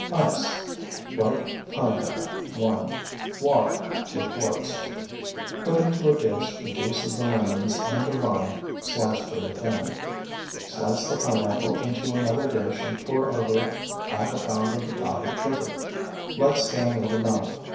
Ice. Ripe pineapple, 1. Water, 2 quarts. Put into a dish the juice of the lemons and the rind sliced very thin. Slice the pineapple into another dish and pour over it half a pound of the powdered sugar. Let stand overnight.